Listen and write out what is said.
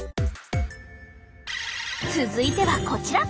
続いてはこちら！